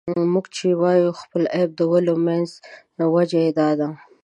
موږ چې وايو خپل عيب د ولیو منځ دی، وجه یې دا ده.